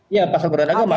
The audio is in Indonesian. ya pasal perundang agama